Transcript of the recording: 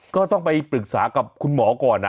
ก็ต้องไปปรึกษากับคุณหมอก่อนนะ